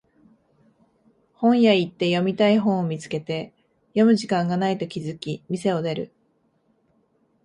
本屋行って読みたい本を見つけて読む時間がないと気づき店を出る